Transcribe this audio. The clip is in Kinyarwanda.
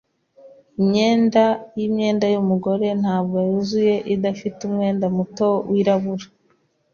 Imyenda yimyenda yumugore ntabwo yuzuye idafite umwenda muto wirabura.